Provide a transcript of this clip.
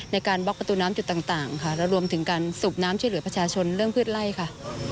บล็อกประตูน้ำจุดต่างค่ะแล้วรวมถึงการสูบน้ำช่วยเหลือประชาชนเรื่องพืชไล่ค่ะ